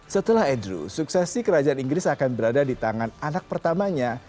setelah edw suksesi kerajaan inggris akan berada di tangan anak pertamanya